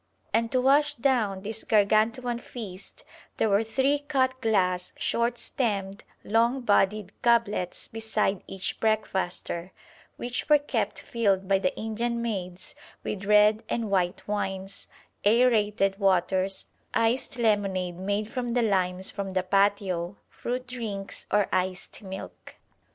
And to wash down this Gargantuan feast there were three cut glass short stemmed long bodied goblets beside each breakfaster, which were kept filled by the Indian maids with red and white wines, aërated waters, iced lemonade made from the limes from the patio, fruit drinks, or iced milk.